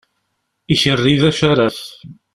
Ikerri d acaraf.